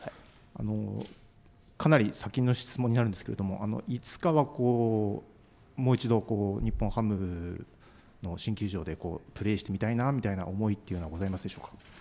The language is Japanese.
かなり先の質問になるんですけれども、いつかは、もう一度、日本ハムの新球場でプレーしてみたいなみたいな思いというのはございますでしょうか。